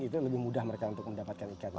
itu lebih mudah mereka untuk mendapatkan ikatan